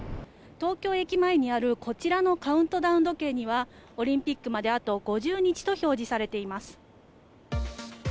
東京駅前にある、こちらのカウントダウン時計には、オリンピックまであと５０日と表示されています。